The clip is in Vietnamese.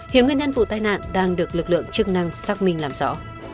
hiện nguyên nhân vụ tai nạn đang được lực lượng chức năng xác minh làm rõ